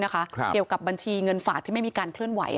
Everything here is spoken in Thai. เกี่ยวกับบัญชีเงินฝากที่ไม่มีการเคลื่อนไหว